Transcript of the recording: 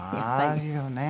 あるよね。